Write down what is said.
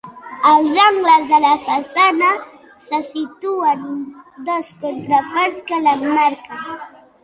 Als angles de la façana se situen dos contraforts que l'emmarquen.